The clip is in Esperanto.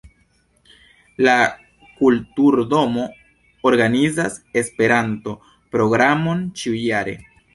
La kulturdomo organizas Esperanto-programon ĉiu-jare.